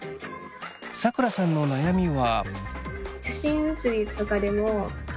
さくらさんの悩みは。